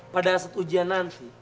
pada setujian nanti